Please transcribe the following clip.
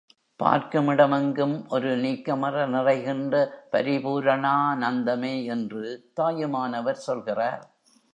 பார்க்குமிடம் எங்கும் ஒரு நீக்கமற நிறைகின்ற பரிபூரணானந்தமே என்று தாயுமானவர் சொல்கிறார்.